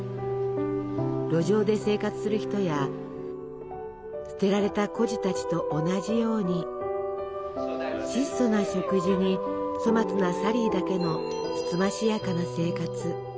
路上で生活する人や捨てられた孤児たちと同じように質素な食事に粗末なサリーだけのつつましやかな生活。